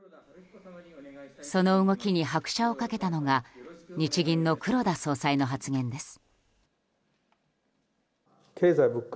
その動きに拍車を掛けたのが日銀の黒田総裁の発言です。